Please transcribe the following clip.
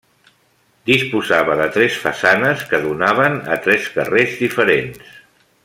Disposava de tres façanes que donaven a tres carrers diferents.